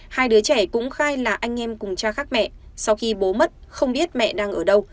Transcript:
hai đứa trẻ cũng khai là anh em cùng cha khác mẹ sau khi bố mất không biết mẹ đang ở đâu